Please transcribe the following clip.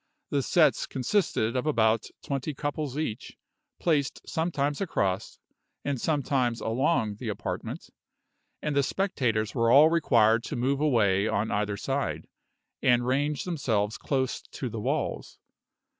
The sets consisted of about twenty couples each, placed sometimes across, and sometimes along the apartment; and the spectators were all required to move away on either side, and range themselves close to the walls.